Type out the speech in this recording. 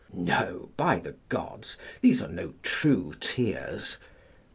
No, by the Gods, these are no true tears."